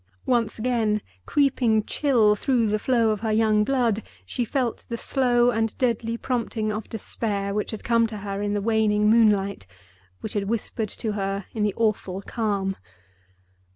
Once again, creeping chill through the flow of her young blood, she felt the slow and deadly prompting of despair which had come to her in the waning moonlight, which had whispered to her in the awful calm.